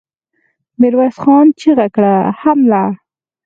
ميرويس خان چيغه کړه! حمله!